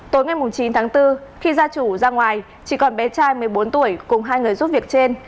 tối ngày chín tháng bốn khi gia chủ ra ngoài chỉ còn bé trai một mươi bốn tuổi cùng hai người giúp việc trên